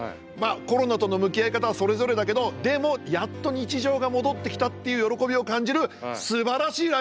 コロナとの向き合い方はそれぞれだけどでもやっと日常が戻ってきたっていう喜びを感じるすばらしいライブです。